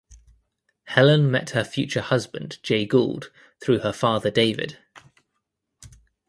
Helen met her future husband Jay Gould through her father David.